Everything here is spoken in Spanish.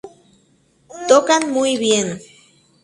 Tocan muy bien.